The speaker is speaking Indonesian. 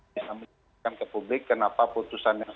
menyebutkan ke publik kenapa putusan yang